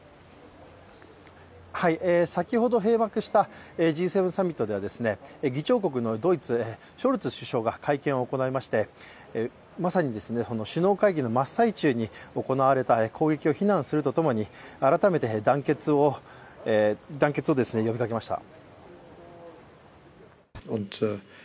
先ほど閉幕したＧ７サミットでは議長国のドイツ、ショルツ首相が会見を行いまして、まさに首脳会議の真っ最中に行われた攻撃を非難すると共に、改めて、団結を呼びかけました。